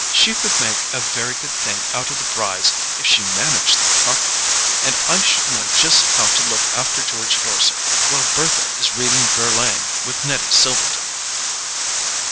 She could make a very good thing out of the Brys if she managed them properly, and I should know just how to look after George Dorset while Bertha is reading Verlaine with Neddy Silverton."